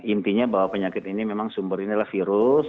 intinya bahwa penyakit ini memang sumber ini adalah virus